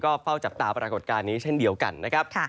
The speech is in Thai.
เฝ้าจับตาปรากฏการณ์นี้เช่นเดียวกันนะครับ